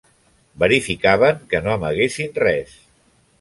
Verificaven que no amaguessin res.